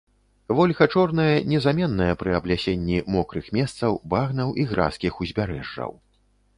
Вольха чорная незаменная пры аблясенні мокрых месцаў, багнаў і гразкіх узбярэжжаў.